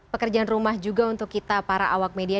pekerjaan rumah juga untuk kita para awak media